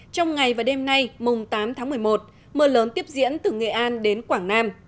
trong ngày và đêm nay mùng tám tháng một mươi một mưa lớn tiếp diễn từ nghệ an đến quảng nam